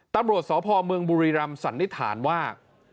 ตัวบริษัทสพเมืองบุรีรัมย์สันนิษฐานว่า